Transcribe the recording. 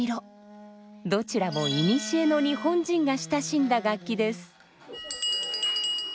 どちらも古の日本人が親しんだ楽器です。